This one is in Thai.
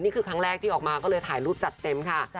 นี่คือครั้งแรกที่ออกมาก็เลยถ่ายรูปจัดเต็มค่ะ